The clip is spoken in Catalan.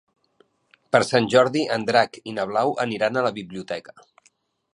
Per Sant Jordi en Drac i na Blau aniran a la biblioteca.